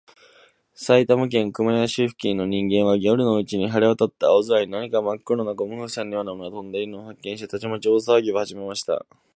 埼玉県熊谷市付近の人々は、夜のうちに晴れわたった青空に、何かまっ黒なゴム風船のようなものがとんでいるのを発見して、たちまち大さわぎをはじめました。